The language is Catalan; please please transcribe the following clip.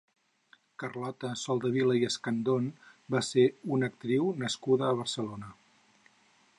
Carlota Soldevila i Escandon va ser una actriu nascuda a Barcelona.